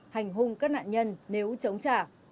hành hung các nạn nhân nếu chống trả